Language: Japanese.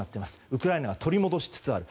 ウクライナが取り戻しつつある。